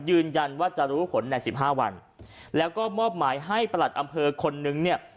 ยืนยันว่าจะรู้ผลในสิบห้าวันแล้วก็มอบหมายให้ประหลัดอำเภอคนนึงเนี่ย